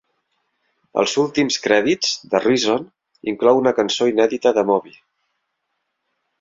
Als últims crèdits, "The Reason" inclou una cançó inèdita de Moby.